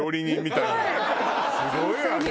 すごいわね